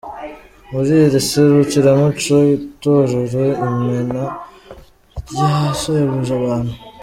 Muri iri serukiramuco itorero Imena ryashimishije abantu.